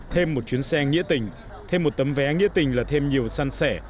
thêm một chuyến xe nghĩa tình thêm một tấm vé nghĩa tình là thêm nhiều săn sẻ